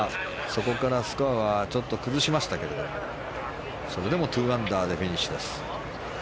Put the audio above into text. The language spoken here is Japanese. そこからスコアはちょっと崩しましたけどそれでも２アンダーでフィニッシュです。